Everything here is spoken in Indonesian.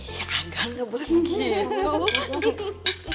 iya agak gak boleh begitu